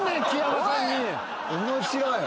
面白い。